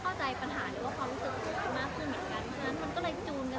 คือขอพิวเยอะแทรกนิดนึงค่ะ